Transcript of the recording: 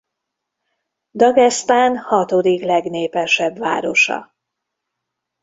Dagesztán hatodik legnépesebb városa.